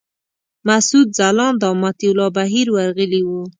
مسعود ځلاند او مطیع الله بهیر ورغلي وو.